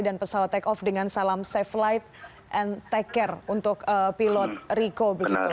dan pesawat take off dengan salam safe flight and take care untuk pilot riko